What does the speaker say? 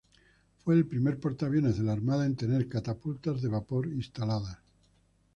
Fue el primer portaaviones de la Armada en tener catapultas de vapor instaladas.